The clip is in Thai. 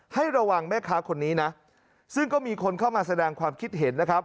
ให้ระวังแม่ค้าคนนี้นะซึ่งก็มีคนเข้ามาแสดงความคิดเห็นนะครับ